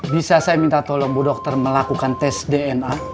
bisa saya minta tolong bu dokter melakukan tes dna